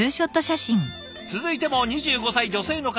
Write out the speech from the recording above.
続いても２５歳女性の方ですね。